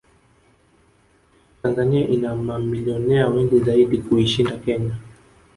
Tanzania ina mamilionea wengi zaidi kuishinda Kenya